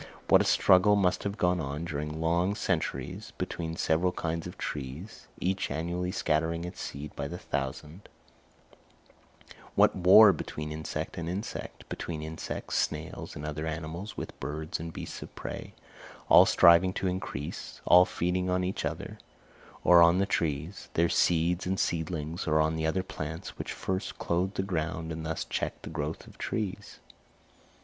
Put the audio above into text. What a struggle must have gone on during long centuries between the several kinds of trees, each annually scattering its seeds by the thousand; what war between insect and insect—between insects, snails, and other animals with birds and beasts of prey—all striving to increase, all feeding on each other, or on the trees, their seeds and seedlings, or on the other plants which first clothed the ground and thus checked the growth of the trees.